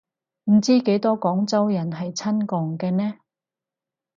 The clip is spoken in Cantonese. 唔知幾多廣州人係親共嘅呢